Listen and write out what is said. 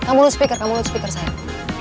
kamu loot speaker kamu loot speaker sayang